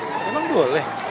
lho emang boleh